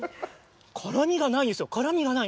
辛みがないんですよ、辛みがない。